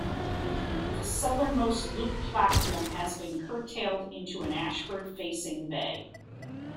The southernmost loop platform has been curtailed into an Ashford facing bay.